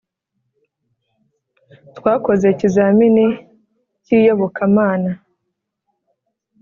twakoze ikizamini cyi iyobokamana